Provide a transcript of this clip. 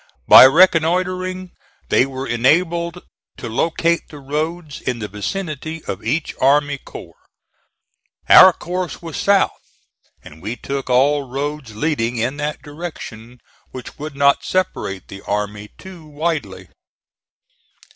By reconnoitring they were enabled to locate the roads in the vicinity of each army corps. Our course was south, and we took all roads leading in that direction which would not separate the army too widely.